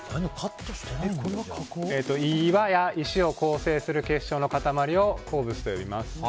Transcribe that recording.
岩や石を構成する結晶の塊を鉱物と呼びます。